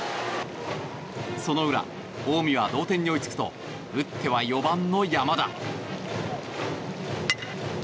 その裏、近江は同点に追いつくと打っては４番の山田。